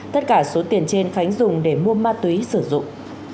tất cả số tiền trên khánh dùng để mua ma túy sử dụng